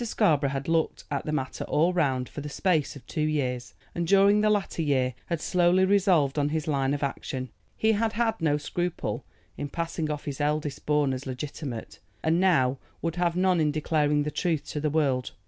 Scarborough had looked at the matter all round for the space of two years, and during the latter year had slowly resolved on his line of action. He had had no scruple in passing off his eldest born as legitimate, and now would have none in declaring the truth to the world.